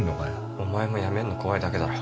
お前もやめんの怖いだけだろ？